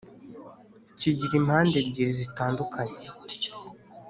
kigira impande ebyiri zitandukanye